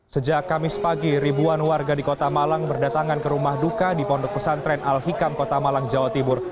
sejak kamis pagi ribuan warga di kota malang berdatangan ke rumah duka di pondok pesantren al hikam kota malang jawa timur